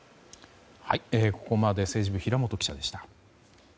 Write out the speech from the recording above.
ここまで政治部平元記者でした。